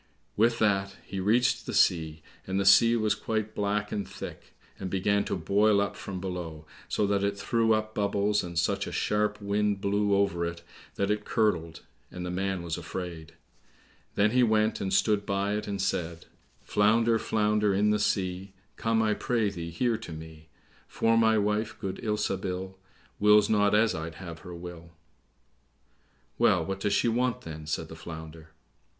With that he reached the sea, and the sea was quite black and thick, and began to boil up from below, so that it threw up bubbles, and such a sharp wind blew over it that it curdled, and the man was afraid. Then he went and stood by it, and said, "Flounder, flounder in the sea, Come, I pray thee, here to me; For my wife, good Ilsabil, Wills not as I'd have her will." "Well, what does she want, then?" said the Flounder.